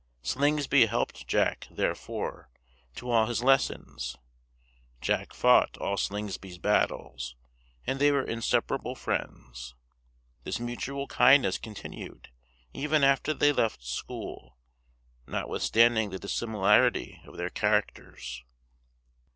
Slingsby helped Jack, therefore, to all his lessons: Jack fought all Slingsby's battles; and they were inseparable friends. This mutual kindness continued even after they left school, notwithstanding the dissimilarity of their characters.